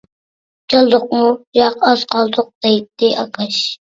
«كەلدۇقمۇ؟ !» «ياق، ئاز قالدۇق» دەيتتى ئاكاش.